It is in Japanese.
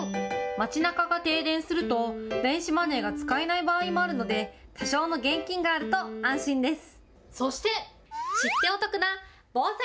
街なかが停電すると、電子マネーが使えない場合もあるので、多少の現金があると安心です。